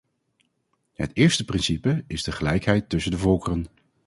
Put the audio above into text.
Het eerste principe is de gelijkheid tussen de volkeren.